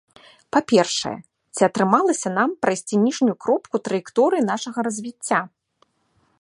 Па-першае, ці атрымалася нам прайсці ніжнюю кропку траекторыі нашага развіцця?